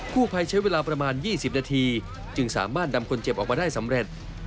ผู้ภัยใช้เวลาประมาณ๒๐นาทีจึงสามารถนำคนเจ็บออกมาได้สำเร็จ